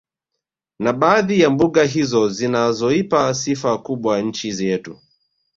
Na baadhi ya mbuga hizo zinazoipa sifa kubwa nchi yetu